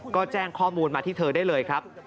ก็แจ้งข้อมูลมาที่เธอได้เลยครับ